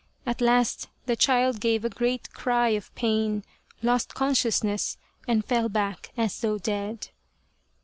At last the child gave a great cry of pain, lost consciousness, and fell back as though dead.